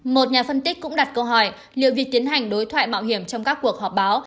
một nhà phân tích cũng đặt câu hỏi liệu việc tiến hành đối thoại mạo hiểm trong các cuộc họp báo